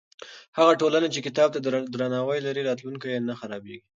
هغه ټولنه چې کتاب ته درناوی لري، راتلونکی یې نه خرابېږي.